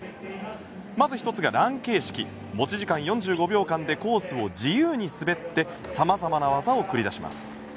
まず１つがラン形式持ち時間４５秒間でコースを自由に滑ってさまざまな技を繰り出します。